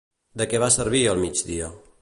De què va servir el mig dia?